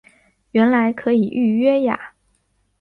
原来可以预约呀